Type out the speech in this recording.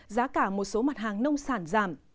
giá cả một số mặt hàng nông sản giảm